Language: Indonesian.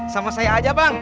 sama saya aja bang